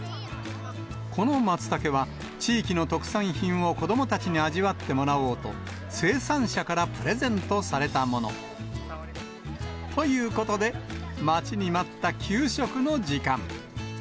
このマツタケは、地域の特産品を子どもたちに味わってもらおうと、生産者からプレゼントされたもの。ということで、待ちに待った給食の時間。